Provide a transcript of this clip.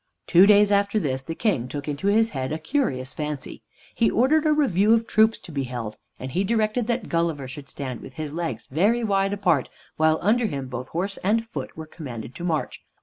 Two days after this the King took into his head a curious fancy. He ordered a review of troops to be held, and he directed that Gulliver should stand with his legs very wide apart, while under him both horse and foot were commanded to march.